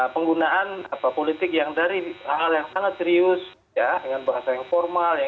penggunaan politik yang dari hal hal yang sangat serius dengan bahasa yang formal